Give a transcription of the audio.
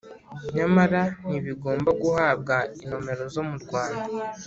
Nyamara, ntibigomba guhabwa inomero zo mu Rwanda: